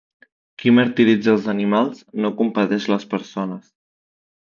Qui martiritza els animals, no compadeix les persones.